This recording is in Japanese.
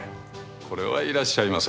これはいらっしゃいませ。